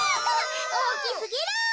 おおきすぎる。